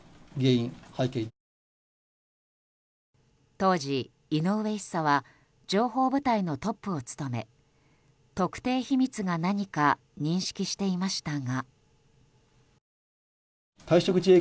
当時、井上１佐は情報部隊のトップを務め特定秘密が何か認識していましたが。